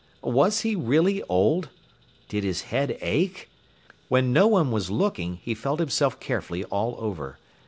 Was he really old? Did his head ache? When no one was looking, he felt himself carefully all over.